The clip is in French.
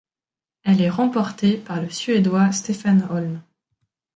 Elle est remportée par le Suédois Stefan Holm.